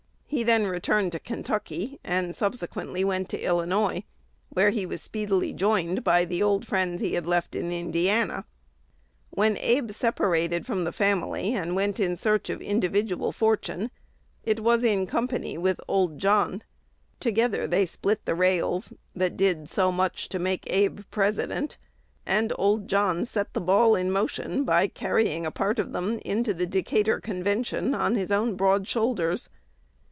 He then returned to Kentucky, and subsequently went to Illinois, where he was speedily joined by the old friends he had left in Indiana. When Abe separated from the family, and went in search of individual fortune, it was in company with "old John." Together they split the rails that did so much to make Abe President; and "old John" set the ball in motion by carrying a part of them into the Decatur Convention on his own broad shoulders.